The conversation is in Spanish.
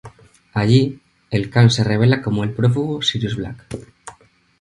Allí, el can se revela como el prófugo Sirius Black.